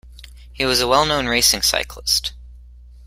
He was a well-known racing cyclist.